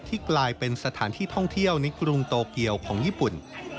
กลายเป็นสถานที่ท่องเที่ยวในกรุงโตเกียวของญี่ปุ่น